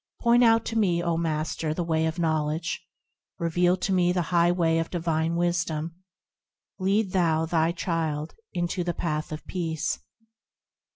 Point out to me, O Master! the way of knowledge, Reveal to me the high way of divine wisdom, Lead thou thy child into the path of peace.